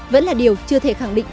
vẫn là điều chưa thể khẳng định